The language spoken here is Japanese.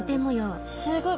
すごい。